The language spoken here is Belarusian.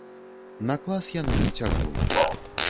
На клас яна не цягнула.